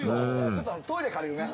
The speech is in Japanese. ちょっとトイレ借りるね。